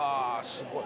すごい。